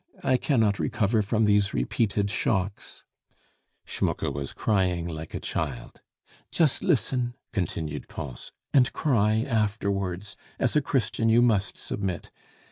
I cannot recover from these repeated shocks." Schmucke was crying like a child. "Just listen," continued Pons, "and cry afterwards. As a Christian, you must submit.